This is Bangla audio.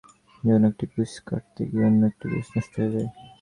যেকোনো একটি কুইজ কাটতে গিয়ে অন্য একটি কুইজ নষ্ট হয়ে যায়।